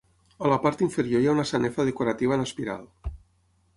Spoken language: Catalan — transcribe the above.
A la part inferior hi ha una sanefa decorativa en espiral.